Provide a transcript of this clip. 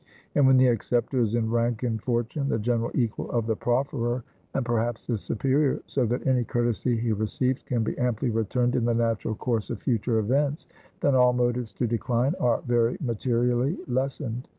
And when the acceptor is in rank and fortune the general equal of the profferer, and perhaps his superior, so that any courtesy he receives, can be amply returned in the natural course of future events, then all motives to decline are very materially lessened.